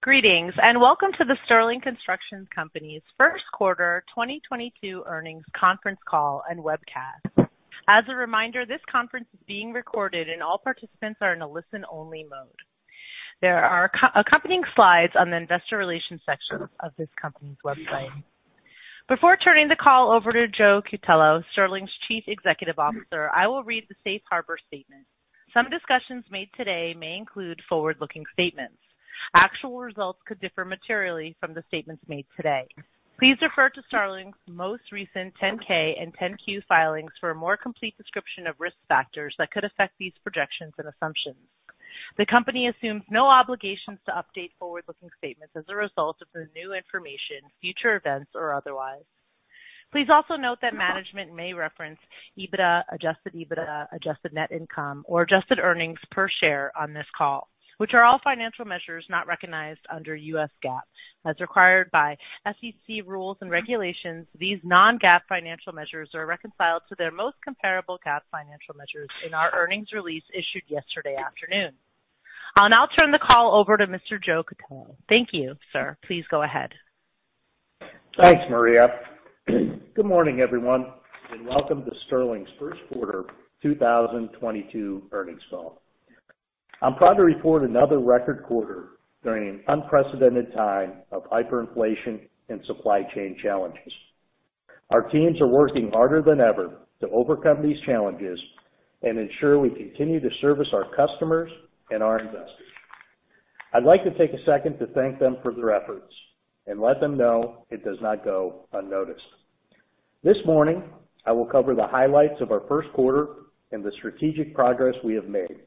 Greetings, and welcome to the Sterling Construction Company's Q1 2022 earnings conference call and webcast. As a reminder, this conference is being recorded and all participants are in a listen-only mode. There are accompanying slides on the investor relations section of this company's website. Before turning the call over to Joe Cutillo, Sterling's Chief Executive Officer, I will read the safe harbor statement. Some discussions made today may include forward-looking statements. Actual results could differ materially from the statements made today. Please refer to Sterling's most recent 10-K and 10-Q filings for a more complete description of risk factors that could affect these projections and assumptions. The company assumes no obligations to update forward-looking statements as a result of the new information, future events, or otherwise. Please also note that management may reference EBITDA, adjusted EBITDA, adjusted net income or adjusted earnings per share on this call, which are all financial measures not recognized under US GAAP. As required by SEC rules and regulations, these non-GAAP financial measures are reconciled to their most comparable GAAP financial measures in our earnings release issued yesterday afternoon. I'll now turn the call over to Mr. Joe Cutillo. Thank you, sir. Please go ahead. Thanks, Maria. Good morning, everyone, and welcome to Sterling's Q1 2022 earnings call. I'm proud to report another record quarter during an unprecedented time of hyperinflation and supply chain challenges. Our teams are working harder than ever to overcome these challenges and ensure we continue to service our customers and our investors. I'd like to take a second to thank them for their efforts and let them know it does not go unnoticed. This morning, I will cover the highlights of our Q1 and the strategic progress we have made.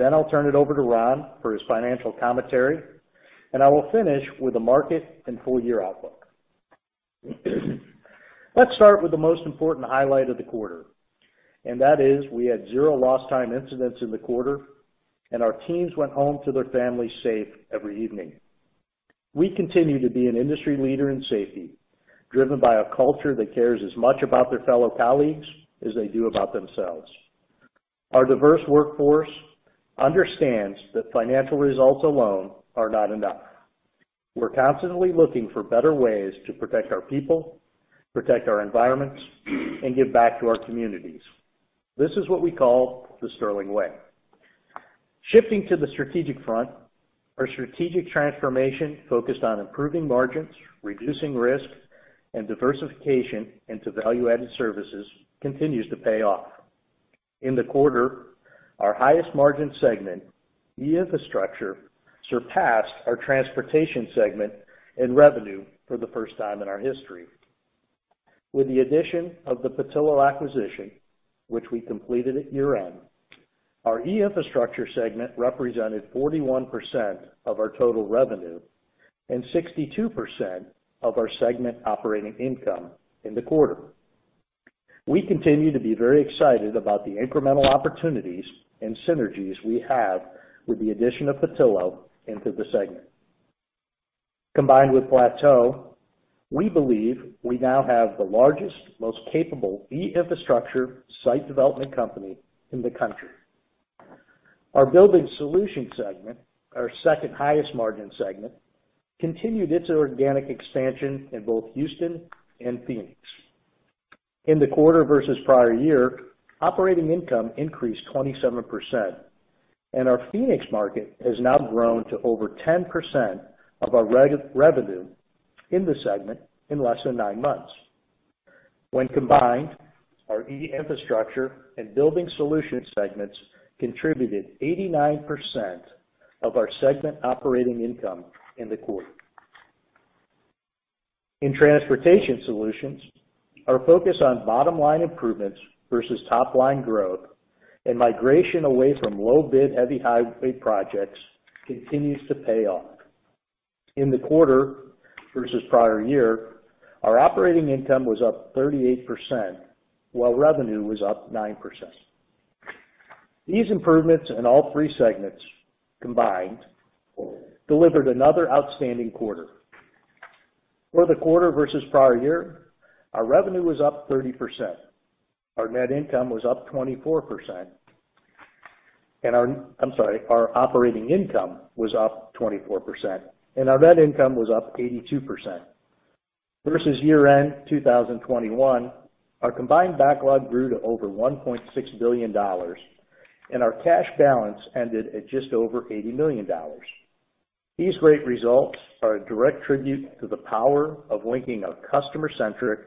Then I'll turn it over to Ron for his financial commentary, and I will finish with the market and full year outlook. Let's start with the most important highlight of the quarter, and that is we had 0 lost time incidents in the quarter, and our teams went home to their families safe every evening. We continue to be an industry leader in safety, driven by a culture that cares as much about their fellow colleagues as they do about themselves. Our diverse workforce understands that financial results alone are not enough. We're constantly looking for better ways to protect our people, protect our environments, and give back to our communities. This is what we call the Sterling Way. Shifting to the strategic front, our strategic transformation focused on improving margins, reducing risk, and diversification into value-added services continues to pay off. In the quarter, our highest margin segment, E-infrastructure, surpassed our Transportation segment in revenue for the first time in our history. With the addition of the Petillo acquisition, which we completed at year-end, our E-infrastructure segment represented 41% of our total revenue and 62% of our segment operating income in the quarter. We continue to be very excited about the incremental opportunities and synergies we have with the addition of Petillo into the segment. Combined with Plateau, we believe we now have the largest, most capable E-infrastructure site development company in the country. Our Building Solution segment, our second highest margin segment, continued its organic expansion in both Houston and Phoenix. In the quarter versus prior year, operating income increased 27%, and our Phoenix market has now grown to over 10% of our revenue in the segment in less than nine months. When combined, our E-infrastructure and Building Solution segments contributed 89% of our segment operating income in the quarter. In Transportation Solutions, our focus on bottom line improvements versus top line growth and migration away from low bid, heavy highway projects continues to pay off. In the quarter versus prior year, our operating income was up 38% while revenue was up 9%. These improvements in all three segments combined delivered another outstanding quarter. For the quarter versus prior year, our revenue was up 30%. Our operating income was up 24%, and our net income was up 82%. Versus year-end 2021, our combined backlog grew to over $1.6 billion, and our cash balance ended at just over $80 million. These great results are a direct tribute to the power of linking a customer-centric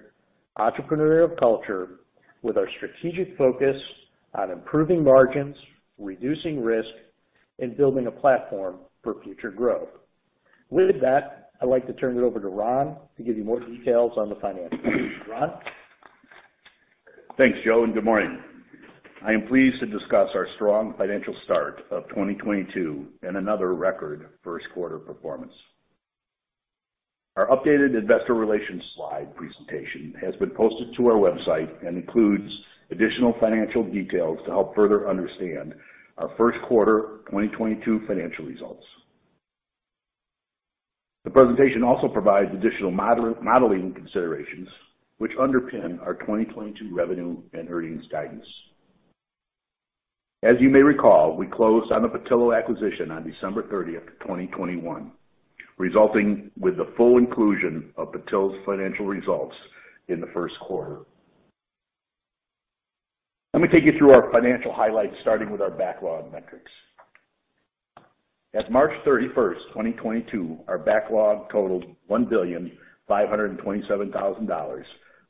entrepreneurial culture with our strategic focus on improving margins, reducing risk, and building a platform for future growth. With that, I'd like to turn it over to Ron to give you more details on the financials. Ron? Thanks, Joe, and good morning. I am pleased to discuss our strong financial start of 2022 and another record Q1 performance. Our updated investor relations slide presentation has been posted to our website and includes additional financial details to help further understand our Q1 2022 financial results. The presentation also provides additional modeling considerations which underpin our 2022 revenue and earnings guidance. As you may recall, we closed on the Petillo acquisition on December 30th, 2021, resulting with the full inclusion of Petillo's financial results in the Q1. Let me take you through our financial highlights, starting with our backlog metrics. As March 31st, 2022, our backlog totaled $1.527 billion,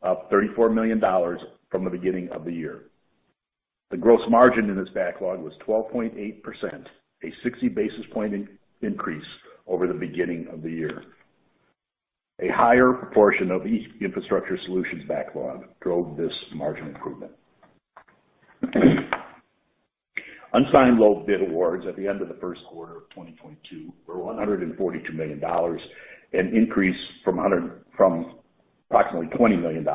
up $34 million from the beginning of the year. The gross margin in this backlog was 12.8%, a 60 basis point increase over the beginning of the year. A higher proportion of E-Infrastructure Solutions backlog drove this margin improvement. Unsigned low bid awards at the end of the Q1 of 2022 were $142 million, an increase from approximately $20 million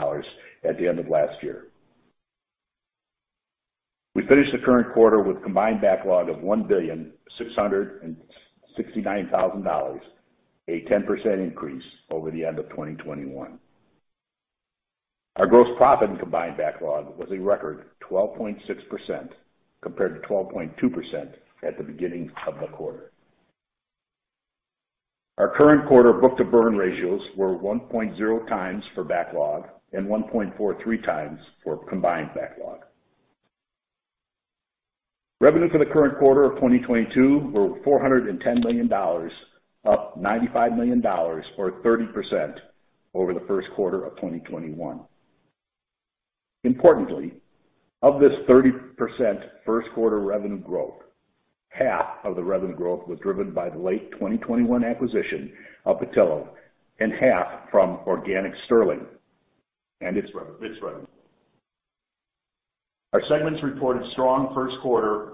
at the end of last year. We finished the current quarter with combined backlog of $1.669 billion, a 10% increase over the end of 2021. Our gross profit in combined backlog was a record 12.6%, compared to 12.2% at the beginning of the quarter. Our current quarter book-to-burn ratios were 1.0x for backlog and 1.43x for combined backlog. Revenue for the current quarter of 2022 was $410 million, up $95 million or 30% over the Q1 of 2021. Importantly, of this 30% Q1 revenue growth, half of the revenue growth was driven by the late 2021 acquisition of Petillo and half from organic Sterling and its revenue. Our segments reported strong Q1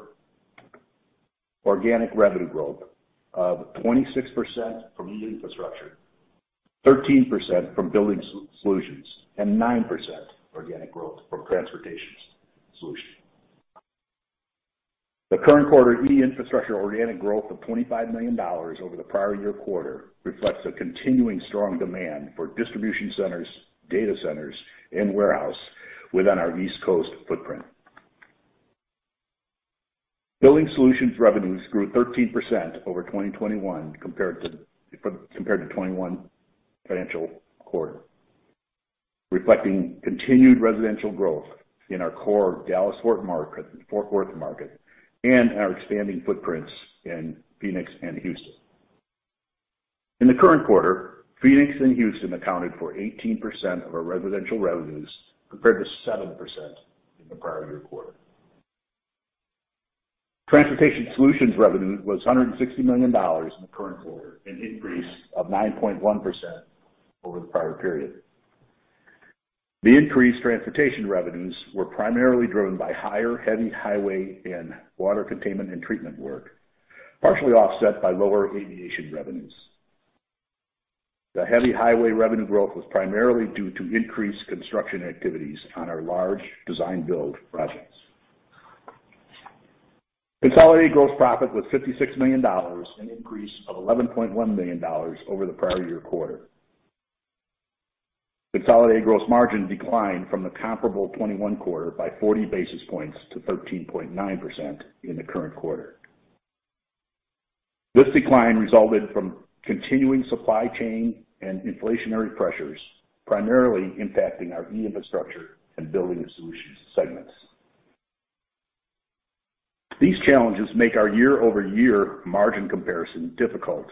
organic revenue growth of 26% from E-infrastructure, 13% from Building Solutions, and 9% organic growth from Transportation Solutions. The current quarter E-infrastructure organic growth of $25 million over the prior year quarter reflects a continuing strong demand for distribution centers, data centers, and warehouse within our East Coast footprint. Building Solutions revenues grew 13% over 2021 compared to 2021 financial quarter, reflecting continued residential growth in our core Dallas-Fort Worth market and our expanding footprints in Phoenix and Houston. In the current quarter, Phoenix and Houston accounted for 18% of our residential revenues, compared to 7% in the prior year quarter. Transportation Solutions revenue was $160 million in the current quarter, an increase of 9.1% over the prior period. The increased transportation revenues were primarily driven by higher heavy highway and water containment and treatment work, partially offset by lower aviation revenues. The heavy highway revenue growth was primarily due to increased construction activities on our large design-build projects. Consolidated gross profit was $56 million, an increase of $11.1 million over the prior year quarter. Consolidated gross margin declined from the comparable 2021 quarter by 40 basis points to 13.9% in the current quarter. This decline resulted from continuing supply chain and inflationary pressures, primarily impacting our E-infrastructure and Building Solutions segments. These challenges make our year-over-year margin comparison difficult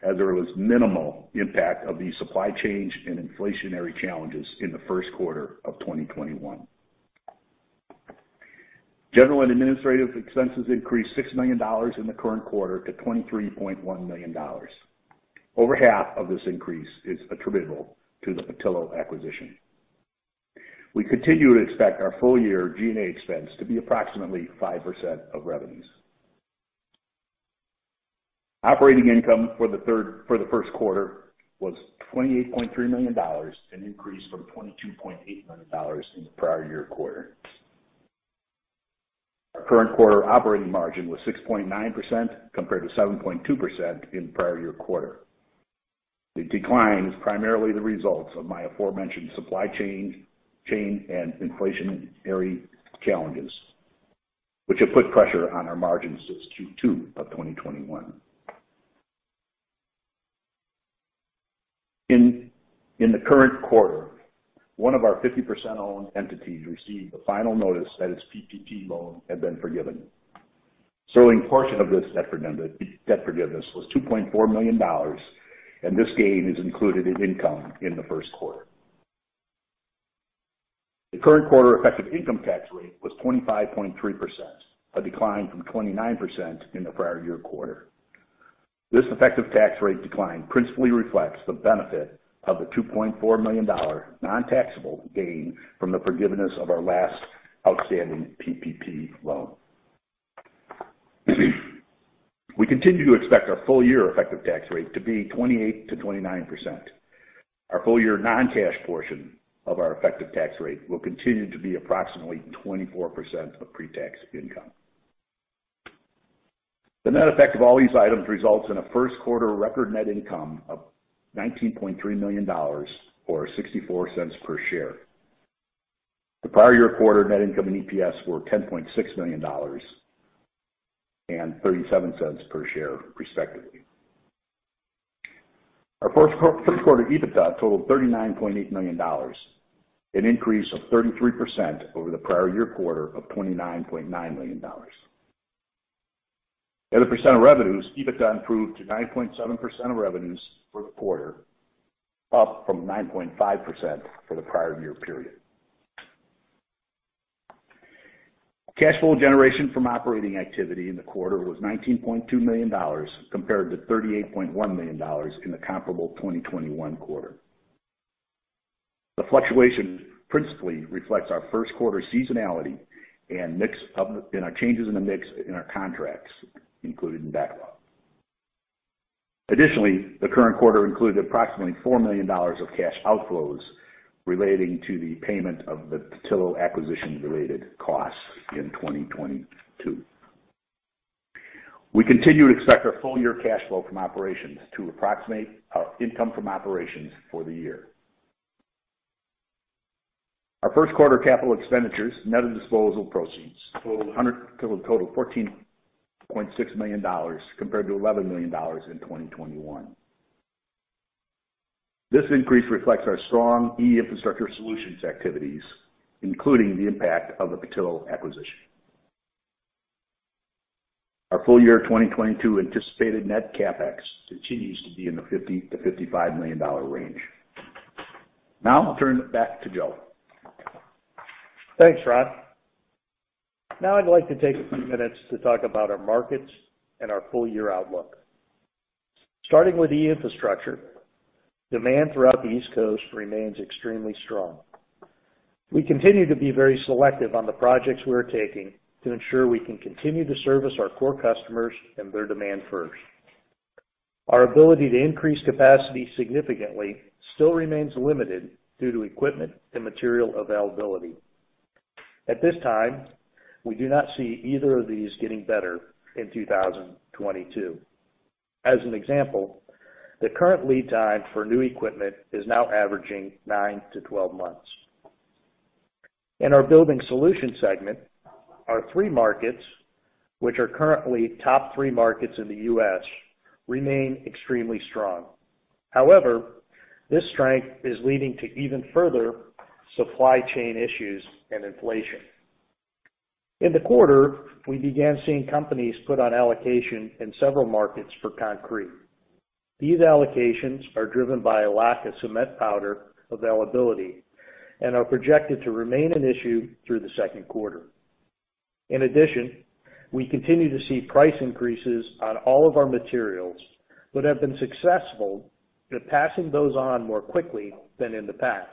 as there was minimal impact of these supply chains and inflationary challenges in the Q1 of 2021. General and administrative expenses increased $6 million in the current quarter to $23.1 million. Over half of this increase is attributable to the Petillo acquisition. We continue to expect our full year G&A expense to be approximately 5% of revenues. Operating income for the Q1 was $28.3 million, an increase from $22.8 million in the prior year quarter. Our current quarter operating margin was 6.9%, compared to 7.2% in prior year quarter. The decline is primarily the result of my aforementioned supply chain and inflationary challenges, which have put pressure on our margins since Q2 of 2021. In the current quarter, one of our 50% owned entities received the final notice that its PPP loan had been forgiven. Sterling portion of this debt forgiveness was $2.4 million, and this gain is included in income in the Q1. The current quarter effective income tax rate was 25.3%, a decline from 29% in the prior year quarter. This effective tax rate decline principally reflects the benefit of the $2.4 million non-taxable gain from the forgiveness of our last outstanding PPP loan. We continue to expect our full year effective tax rate to be 28%-29%. Our full year non-cash portion of our effective tax rate will continue to be approximately 24% of pre-tax income. The net effect of all these items results in a Q1 record net income of $19.3 million or $0.64 per share. The prior year quarter net income and EPS were $10.6 million and $0.37 per share, respectively. Our Q1 EBITDA totaled $39.8 million, an increase of 33% over the prior year quarter of $29.9 million. As a percent of revenues, EBITDA improved to 9.7% of revenues for the quarter, up from 9.5% for the prior year period. Cash flow generation from operating activity in the quarter was $19.2 million compared to $38.1 million in the comparable 2021 quarter. The fluctuation principally reflects our Q1 seasonality and our changes in the mix in our contracts included in backlog. Additionally, the current quarter included approximately $4 million of cash outflows relating to the payment of the Petillo acquisition-related costs in 2022. We continue to expect our full year cash flow from operations to approximate our income from operations for the year. Our Q1 capital expenditures net of disposal proceeds totaled $14.6 million compared to $11 million in 2021. This increase reflects our strong E-infrastructure solutions activities, including the impact of the Petillo acquisition. Our full year 2022 anticipated net CapEx continues to be in the $50 million-$55 million range. Now I'll turn it back to Joe. Thanks, Ron. Now I'd like to take a few minutes to talk about our markets and our full-year outlook. Starting with E-infrastructure, demand throughout the East Coast remains extremely strong. We continue to be very selective on the projects we are taking to ensure we can continue to service our core customers and their demand first. Our ability to increase capacity significantly still remains limited due to equipment and material availability. At this time, we do not see either of these getting better in 2022. As an example, the current lead time for new equipment is now averaging 9-12 months. In our Building Solutions segment, our three markets, which are currently top three markets in the U.S., remain extremely strong. However, this strength is leading to even further supply chain issues and inflation. In the quarter, we began seeing companies put on allocation in several markets for concrete. These allocations are driven by a lack of cement powder availability and are projected to remain an issue through the Q2. In addition, we continue to see price increases on all of our materials, but have been successful in passing those on more quickly than in the past.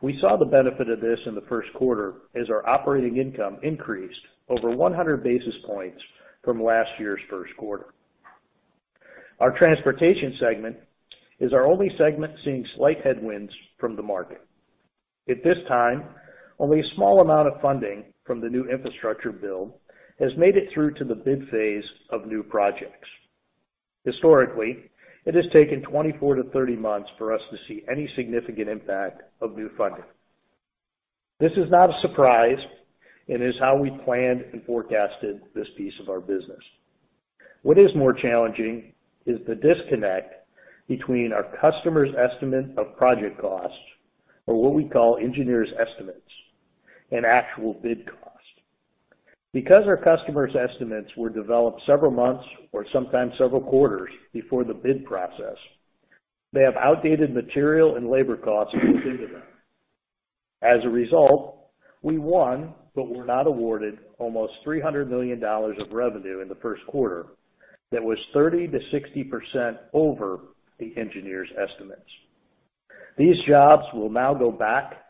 We saw the benefit of this in the Q1 as our operating income increased over 100 basis points from last year's Q1. Our transportation segment is our only segment seeing slight headwinds from the market. At this time, only a small amount of funding from the new infrastructure bill has made it through to the bid phase of new projects. Historically, it has taken 24-30 months for us to see any significant impact of new funding. This is not a surprise, and is how we planned and forecasted this piece of our business. What is more challenging is the disconnect between our customers' estimate of project costs, or what we call engineer's estimate, and actual bid cost. Because our customers' estimates were developed several months or sometimes several quarters before the bid process, they have outdated material and labor costs built into them. As a result, we won, but were not awarded almost $300 million of revenue in the Q1 that was 30%-60% over the engineer's estimate. These jobs will now go back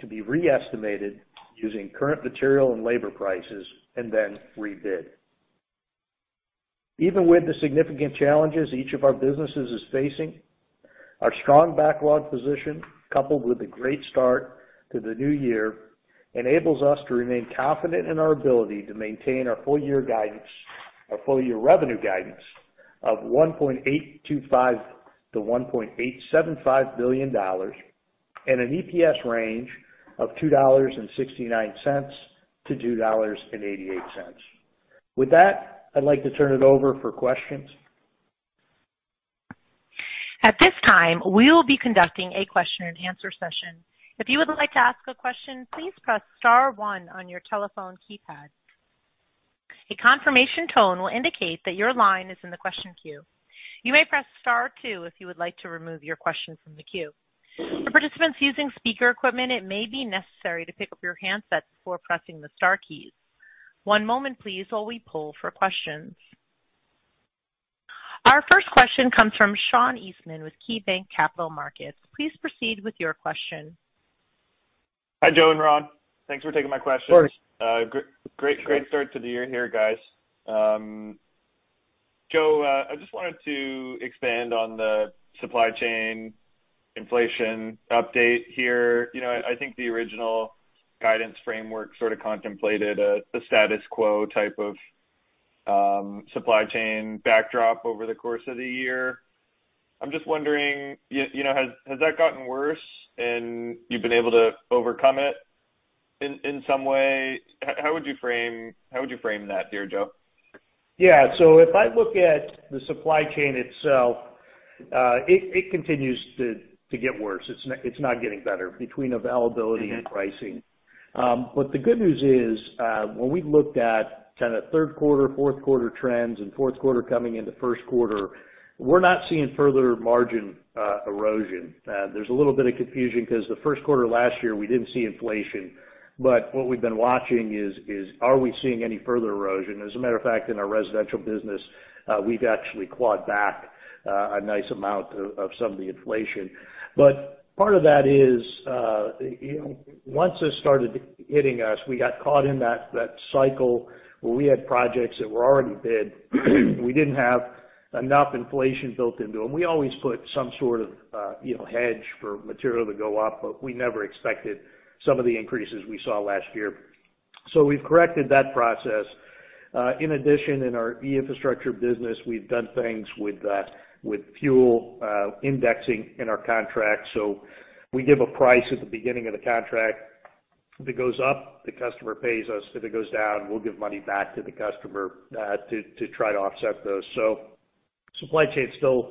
to be re-estimated using current material and labor prices, and then rebid. Even with the significant challenges each of our businesses is facing, our strong backlog position, coupled with a great start to the new year, enables us to remain confident in our ability to maintain our full year guidance, our full year revenue guidance of $1.825 billion-$1.875 billion and an EPS range of $2.69-$2.88. With that, I'd like to turn it over for questions. At this time, we will be conducting a question and answer session. If you would like to ask a question, please press star one on your telephone keypad. A confirmation tone will indicate that your line is in the question queue. You may press star two if you would like to remove your question from the queue. For participants using speaker equipment, it may be necessary to pick up your handset before pressing the star keys. One moment please while we poll for questions. Our first question comes from Sean Eastman with KeyBanc Capital Markets. Please proceed with your question. Hi, Joe and Ron. Thanks for taking my question. Of course. Great start to the year here, guys. Joe, I just wanted to expand on the supply chain inflation update here. You know, I think the original guidance framework sort of contemplated the status quo type of supply chain backdrop over the course of the year. I'm just wondering, you know, has that gotten worse and you've been able to overcome it in some way? How would you frame that here, Joe? Yeah. If I look at the supply chain itself, it continues to get worse. It's not getting better between availability- Mm-hmm pricing. The good news is, when we looked at kind of Q3, Q4 trends and Q4 coming into Q1, we're not seeing further margin erosion. There's a little bit of confusion 'cause the Q1 last year we didn't see inflation. What we've been watching is, are we seeing any further erosion? As a matter of fact, in our residential business, we've actually clawed back a nice amount of some of the inflation. Part of that is, you know, once this started hitting us, we got caught in that cycle where we had projects that were already bid. We didn't have enough inflation built into them. We always put some sort of, you know, hedge for material to go up, but we never expected some of the increases we saw last year. We've corrected that process. In addition, in our E-infrastructure business, we've done things with fuel indexing in our contract. We give a price at the beginning of the contract. If it goes up, the customer pays us. If it goes down, we'll give money back to the customer, to try to offset those. Supply chain's still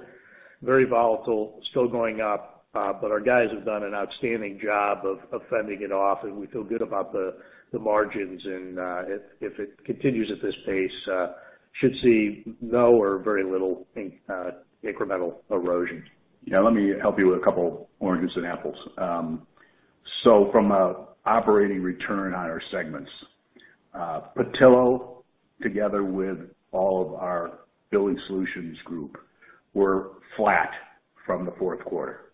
very volatile, still going up. But our guys have done an outstanding job of fending it off, and we feel good about the margins. If it continues at this pace, should see no or very little incremental erosion. Yeah, let me help you with a couple apples and oranges. So from an operating return on our segments, Petillo together with all of our Building Solutions group were flat from the fourth quarter.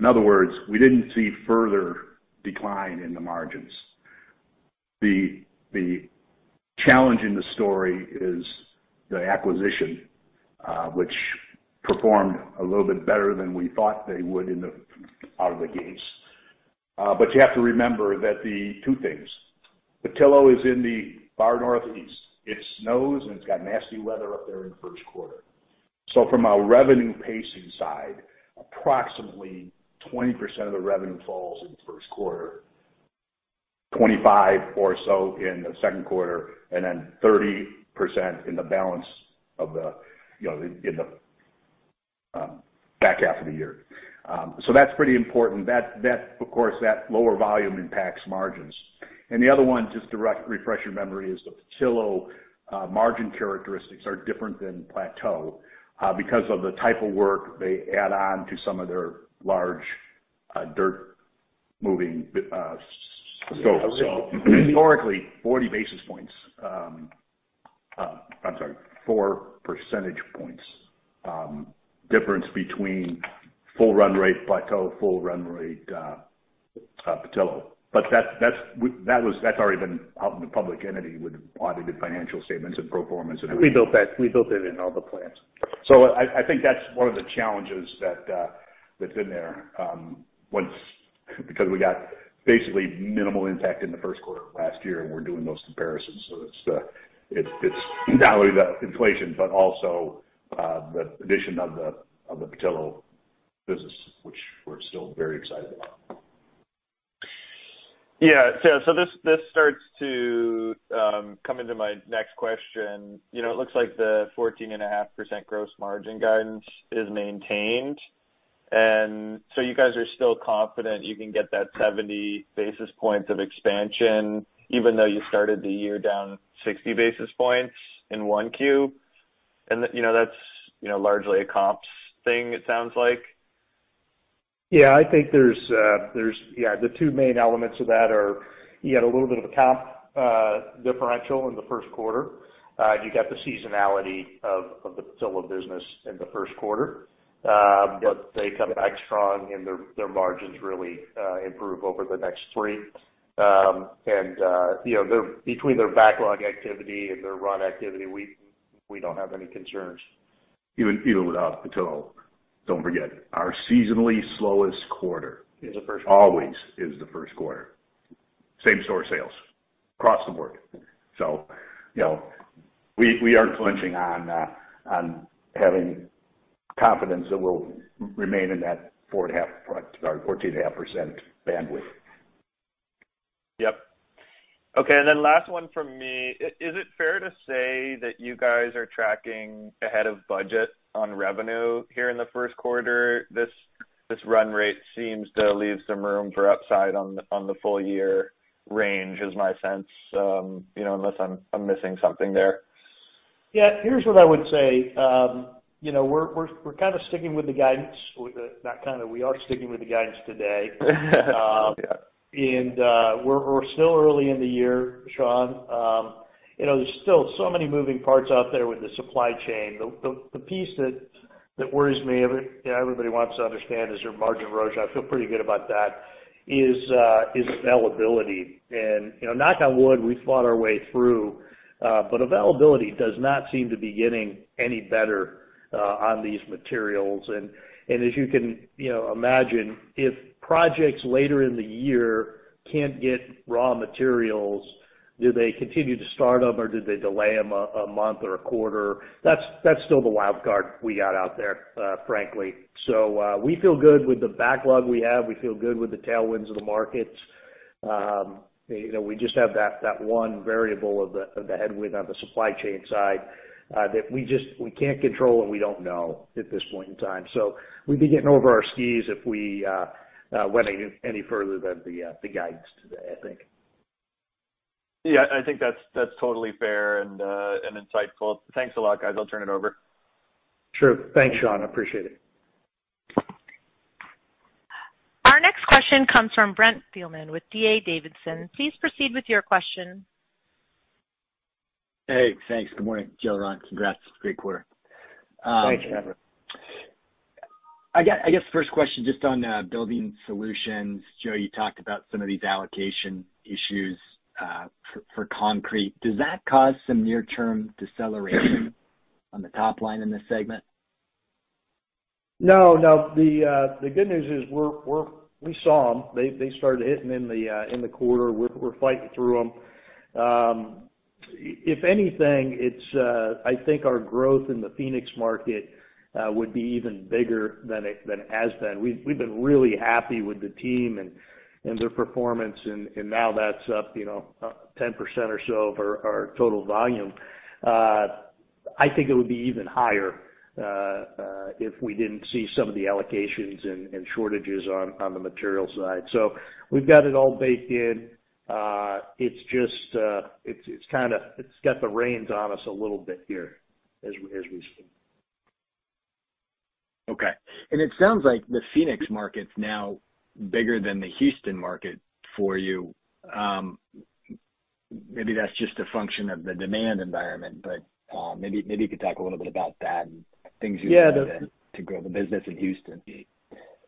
In other words, we didn't see further decline in the margins. The challenge in the story is the acquisition, which performed a little bit better than we thought they would in the out of the gates. But you have to remember that. Two things. Petillo is in the far Northeast. It snows, and it's got nasty weather up there in Q1. So from a revenue pacing side, approximately 20% of the revenue falls in Q1, 25 or so in the Q2, and then 30% in the balance of the, you know, in the back half of the year. That's pretty important. Of course, that lower volume impacts margins. The other one, just to refresh your memory, is the Petillo margin characteristics are different than Plateau because of the type of work they add on to some of their large dirt moving scopes. Historically, 40 basis points. I'm sorry, 4 percentage points difference between full run rate Plateau, full run rate Petillo. That was already out in the public domain with audited financial statements and pro formas and everything. We built that. We built it in all the plans. I think that's one of the challenges that's in there because we got basically minimal impact in the Q1 of last year, and we're doing those comparisons. It's not only the inflation, but also the addition of the Petillo business, which we're still very excited about. This starts to come into my next question. You know, it looks like the 14.5% gross margin guidance is maintained. You guys are still confident you can get that 70 basis points of expansion even though you started the year down 60 basis points in 1Q? You know, that's largely a comps thing it sounds like. Yeah, I think there's. Yeah, the two main elements of that are you had a little bit of a comp differential in the Q1. You got the seasonality of the Petillo business in the Q1. They come back strong and their margins really improve over the next three. You know, between their backlog activity and their run activity, we don't have any concerns. Even without Petillo, don't forget, our seasonally slowest quarter. Is the Q1? Always is the Q1. Same-store sales across the board. You know, we aren't flinching on having confidence that we'll remain in that 4.5%-14.5% bandwidth. Yep. Okay, last one from me. Is it fair to say that you guys are tracking ahead of budget on revenue here in the Q1? This run rate seems to leave some room for upside on the full year range, is my sense, you know, unless I'm missing something there. Yeah, here's what I would say. You know, we're kind of sticking with the guidance. Not kind of, we are sticking with the guidance today. Yeah. We're still early in the year, Sean. You know, there's still so many moving parts out there with the supply chain. The piece that worries me and everybody wants to understand is there margin erosion? I feel pretty good about that is availability. You know, knock on wood, we fought our way through, but availability does not seem to be getting any better on these materials. As you can, you know, imagine if projects later in the year can't get raw materials, do they continue to start them or do they delay them a month or a quarter? That's still the wild card we got out there, frankly. We feel good with the backlog we have. We feel good with the tailwinds of the markets. You know, we just have that one variable of the headwind on the supply chain side that we can't control and we don't know at this point in time. We'd be getting over our skis if we went any further than the guidance today, I think. Yeah, I think that's totally fair and insightful. Thanks a lot, guys. I'll turn it over. Sure. Thanks, Sean. I appreciate it. Our next question comes from Brent Thielman with D.A. Davidson. Please proceed with your question. Hey, thanks. Good morning, Joe, Ron. Congrats. Great quarter. Thanks, Brent. I guess first question just on Building Solutions. Joe, you talked about some of these allocation issues for concrete. Does that cause some near term deceleration on the top line in this segment? No, no. The good news is we saw them. They started hitting in the quarter. We're fighting through them. If anything, it's I think our growth in the Phoenix market would be even bigger than it has been. We've been really happy with the team and their performance, and now that's up, you know, up 10% or so of our total volume. I think it would be even higher if we didn't see some of the allocations and shortages on the material side. So we've got it all baked in. It's just kind of got the reins on us a little bit here as we speak. Okay. It sounds like the Phoenix market's now bigger than the Houston market for you. Maybe that's just a function of the demand environment, but maybe you could talk a little bit about that and things you want to. Yeah. To grow the business in Houston.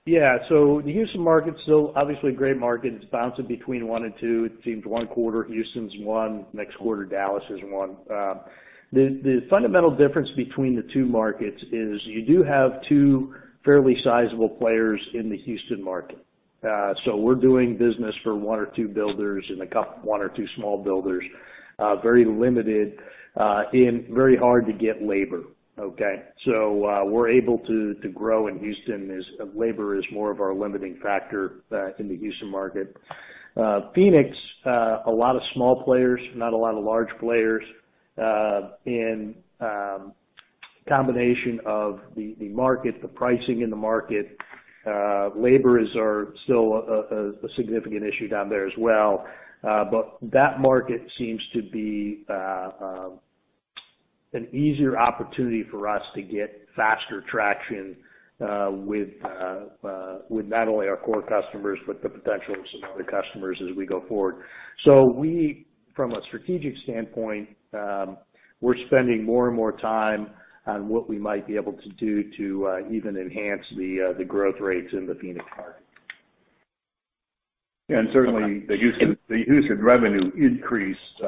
Yeah. The Houston market's still obviously a great market. It's bouncing between one and two. It seems one quarter Houston's one, next quarter Dallas is one. The fundamental difference between the two markets is you do have two fairly sizable players in the Houston market. We're doing business for one or two builders and one or two small builders, very limited, in very hard to get labor, okay? We're able to grow in Houston as labor is more of our limiting factor in the Houston market. Phoenix, a lot of small players, not a lot of large players, and combination of the market, the pricing in the market, laborers are still a significant issue down there as well. That market seems to be an easier opportunity for us to get faster traction with not only our core customers, but the potential of some other customers as we go forward. From a strategic standpoint, we're spending more and more time on what we might be able to do to even enhance the growth rates in the Phoenix market. Certainly the Houston revenue increased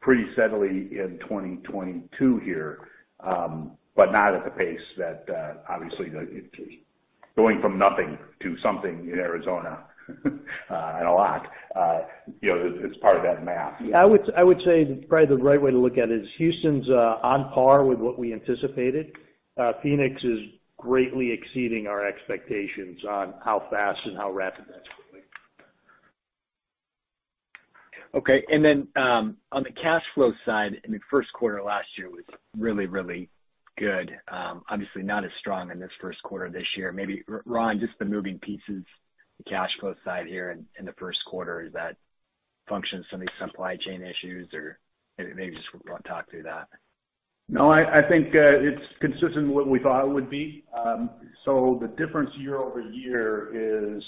pretty steadily in 2022 here, but not at the pace that obviously the going from nothing to something in Arizona, and a lot, you know, it's part of that math. I would say probably the right way to look at it is Houston's on par with what we anticipated. Phoenix is greatly exceeding our expectations on how fast and how rapid that's growing. Okay. On the cash flow side in the Q1 last year was really good. Obviously not as strong in this Q1 this year. Maybe Ron, just the moving pieces, the cash flow side here in the Q1. Is that a function of some of these supply chain issues or maybe you just want to talk through that? No, I think it's consistent with what we thought it would be. The difference year-over-year is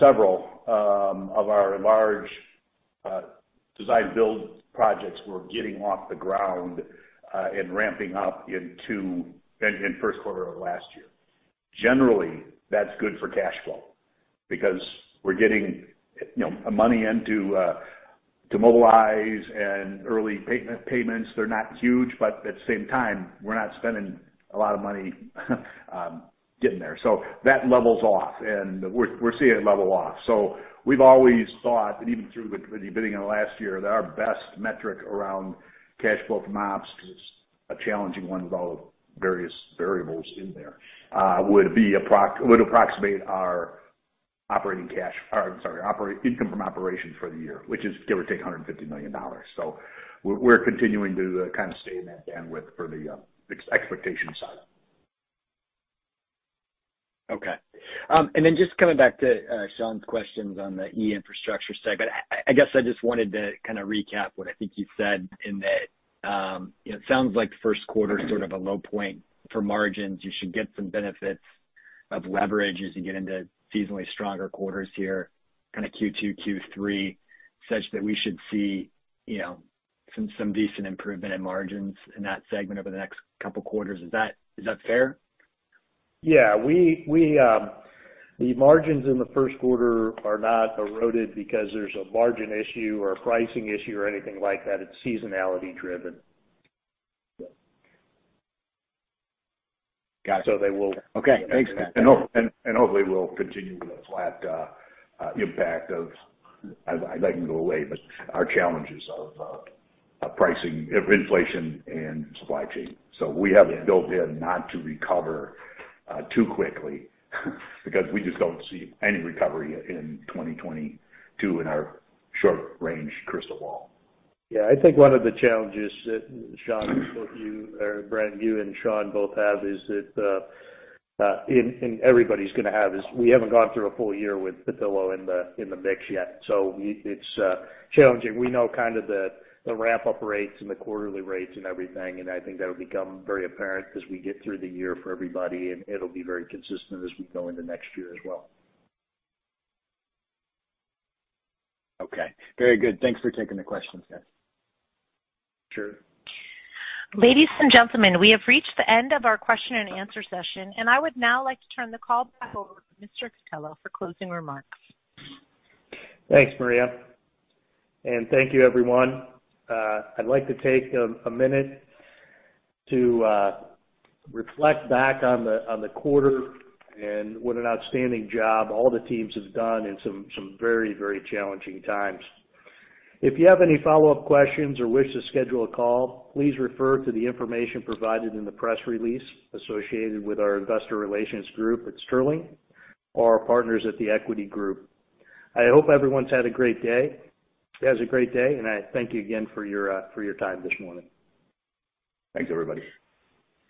several of our large design-build projects were getting off the ground and ramping up into them in Q1 of last year. Generally, that's good for cash flow because we're getting, you know, money into to mobilize and early payments. They're not huge, but at the same time, we're not spending a lot of money getting there. That levels off, and we're seeing it level off. We've always thought that even through the bidding in the last year, that our best metric around cash flow from ops is a challenging one with all the various variables in there, would approximate our operating cash or sorry, operating income from operations for the year, which is give or take $150 million. We're continuing to kind of stay in that bandwidth for the expectation side. Okay. Just coming back to Sean's questions on the E-infrastructure segment. I guess I just wanted to kind of recap what I think you said in that. It sounds like Q1 is sort of a low point for margins. You should get some benefits of leverage as you get into seasonally stronger quarters here, kind of Q2, Q3, such that we should see, you know, some decent improvement in margins in that segment over the next couple quarters. Is that fair? Yeah. The margins in the Q1 are not eroded because there's a margin issue or a pricing issue or anything like that. It's seasonality driven. Got it. They will. Okay. Thanks, Matt. Hopefully will continue with a flat impact. I'd like them to go away, but our challenges of pricing, of inflation and supply chain. We have it built in not to recover too quickly because we just don't see any recovery in 2022 in our short range crystal ball. Yeah. I think one of the challenges that Sean, both you or Brad, you and Sean both have is that everybody's gonna have is we haven't gone through a full year with Petillo in the mix yet. It's challenging. We know kind of the wrap-up rates and the quarterly rates and everything, and I think that'll become very apparent as we get through the year for everybody, and it'll be very consistent as we go into next year as well. Okay. Very good. Thanks for taking the questions, guys. Sure. Ladies and gentlemen, we have reached the end of our question-and-answer session, and I would now like to turn the call back over to Mr. Cutillo for closing remarks. Thanks, Maria, and thank you, everyone. I'd like to take a minute to reflect back on the quarter and what an outstanding job all the teams have done in some very challenging times. If you have any follow-up questions or wish to schedule a call, please refer to the information provided in the press release associated with our investor relations group at Sterling or our partners at the Equity Group. I hope everyone has a great day, and I thank you again for your time this morning. Thanks, everybody.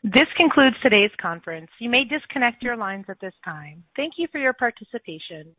This concludes today's conference. You may disconnect your lines at this time. Thank you for your participation.